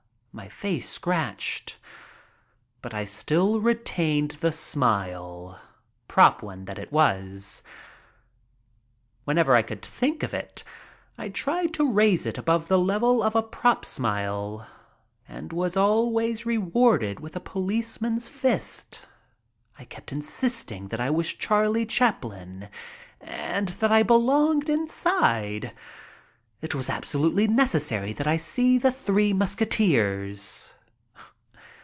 My face scratched. But I still retained the smile, "prop" one though it was. Whenever I could think of it I tried to raise it above the level of a "prop" smile and was always rewarded with a policeman's fist. I kept insisting that I was Charlie Chaplin and that I belonged inside. It was absolutely necessary that I see '' The Three Musketeers.